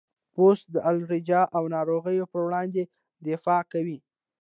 پوست د الرجي او ناروغیو پر وړاندې دفاع کوي.